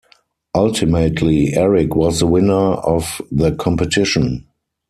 Ultimately, Eric was the winner of the competition.